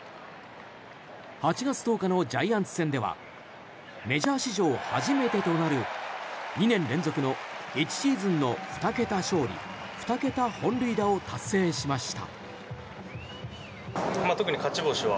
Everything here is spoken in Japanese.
８月１０日のジャイアンツ戦ではメジャー史上初めてとなる２年連続の、１シーズンの２桁勝利２桁本塁打を達成しました。